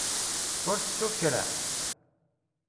Ur tettuḍ kra?